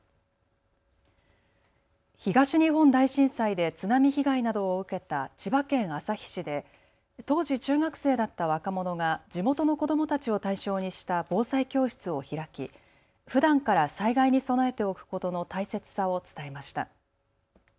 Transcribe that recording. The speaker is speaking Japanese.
東日本大震災で津波被害などを受けた千葉県旭市で当時、中学生だった若者が地元の子どもたちを対象にした防災教室を開き、ふだんから災害に備えておくことの大切さを伝えました。